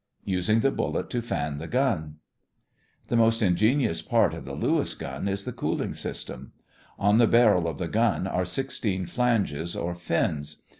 USING THE BULLET TO FAN THE GUN The most ingenious part of the Lewis gun is the cooling system. On the barrel of the gun are sixteen flanges or fins.